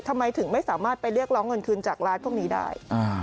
ทำไมถึงไม่สามารถไปเรียกร้องเงินคืนจากร้านพวกนี้ได้